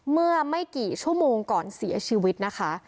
เมื่อไม่กี่ชั่วโมงก่อนเสียชีวิตนะคะ